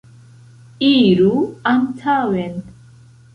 Iru antaŭen.